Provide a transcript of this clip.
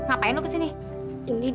apaan sih ini